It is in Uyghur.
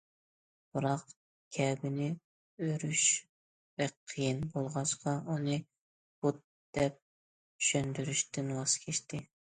بىراق كەبىنى ئۆرۈش بەك قىيىن بولغاچقا ئۇنى بۇت دەپ چۈشەندۈرۈشتىن ۋاز كەچتى.